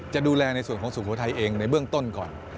จะดูแลในส่วนของสุโขทัยเองในเบื้องต้นก่อน